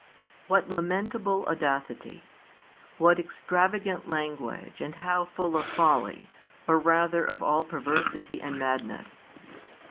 What lamentable audacity! What extravagant language, and how full of folly, or rather of all perversity and madness!